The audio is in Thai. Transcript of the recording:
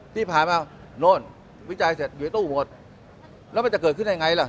ที่ผ่านมาโน่นวิจัยเสร็จอยู่ในตู้หมดแล้วมันจะเกิดขึ้นได้ไงล่ะ